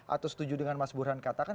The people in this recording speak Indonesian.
atau setuju dengan mas burhan katakan